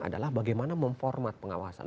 adalah bagaimana memformat pengawasan